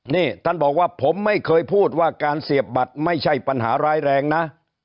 นี่ท่านบอกว่าผมไม่เคยพูดว่าการเสียบบัตรไม่ใช่ปัญหาร้ายแรงนะ